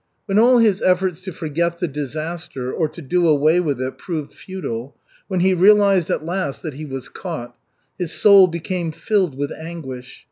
When all his efforts to forget the disaster or to do away with it proved futile, when he realized at last that he was caught, his soul became filled with anguish.